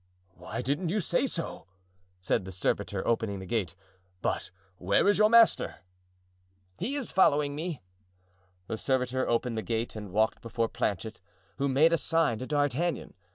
"Why didn't you say so?" said the servitor, opening the gate. "But where is your master?" "He is following me." The servitor opened the gate and walked before Planchet, who made a sign to D'Artagnan.